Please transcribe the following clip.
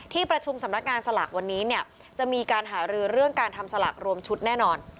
ที่ประชุมสำนักงานสลากวันนี้เนี่ยจะมีการหารือเรื่องการทำสลากรวมชุดแน่นอน